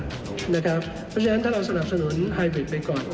เพราะฉะนั้นถ้าเราสนับสนุนไฮบริดไปก่อน